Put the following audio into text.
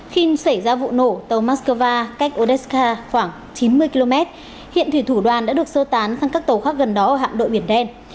khi xảy ra vụ nổ tàu moscow cách odaska khoảng chín mươi km hiện thủy thủ đoàn đã được sơ tán sang các tàu khác gần đó ở hạm đội biển đen